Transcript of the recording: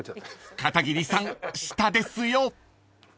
［片桐さん下ですよ］